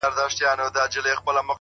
په ډوډۍ به یې د غم عسکر ماړه وه!!